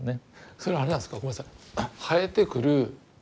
それはあれなんですかごめんなさい生えてくる。